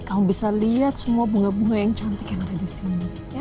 kamu bisa lihat semua bunga bunga yang cantik yang ada di sini